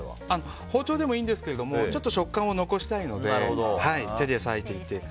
包丁でもいいんですけどもちょっと食感を残したいので手で裂いていって。